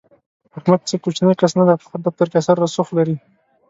احمد څه کوچنی کس نه دی، په هر دفتر کې اثر رسوخ لري.